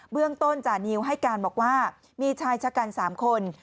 เรื่องต้นจานิวให้การบอกว่ามีชายชะกัน๓คน